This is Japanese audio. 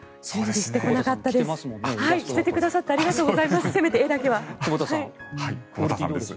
着せてくださってありがとうございます。